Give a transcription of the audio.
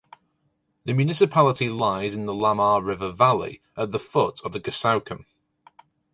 The municipality lies in the Lammer River valley at the foot of the Gosaukamm.